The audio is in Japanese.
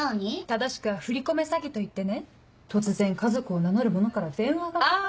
正しくは振り込め詐欺といってね突然家族を名乗る者から電話がかかって来て。